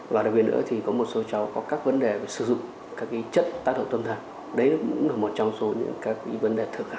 và đặc biệt nữa thì có một số cháu có các vấn đề về sử dụng các chất tác động tâm thần